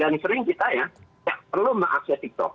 dan sering kita ya ya perlu mengakses tiktok